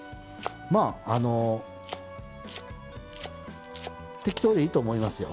まああの適当でいいと思いますよ。